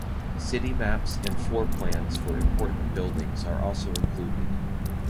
City maps and floor plans for important buildings are also included.